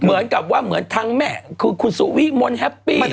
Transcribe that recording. เหมือนกับว่าทั้งแม่คุณสุฟิมนต์แฮปปี